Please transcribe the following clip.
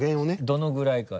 どのぐらいか。